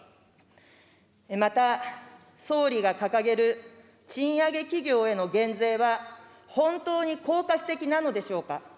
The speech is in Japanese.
また、総理が掲げる賃上げ企業への減税は、本当に効果的なのでしょうか。